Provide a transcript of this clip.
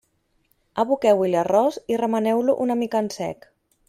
Aboqueu-hi l'arròs i remeneu-lo una mica en sec.